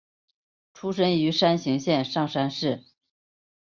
出身于山形县上山市。